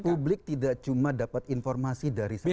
publik tidak cuma dapat informasi dari satu tangan